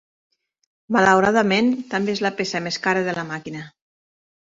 Malauradament, també és la peça més cara de la màquina.